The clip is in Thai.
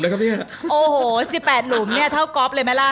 ครับเนี่ยโอ้โหสิบแปดหลุมเนี่ยเท่าก๊อฟเลยไหมล่ะ